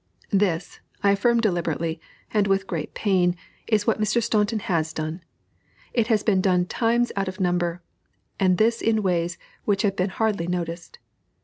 This, I affirm deliberately, and with great pain, is what Mr. Staunton has done. It has been done times out of number, and this in ways which have been hardly noticed.